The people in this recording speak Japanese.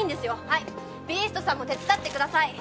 はいビーストさんも手伝ってください。